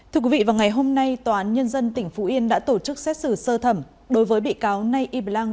thưa quý vị vào ngày hôm nay tòa án nhân dân tỉnh phú yên đã tổ chức xét xử sơ thẩm đối với bị cáo nay y blang